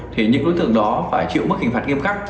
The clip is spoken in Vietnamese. thì những đối tượng đó phải chịu mức hình phạt nghiêm khắc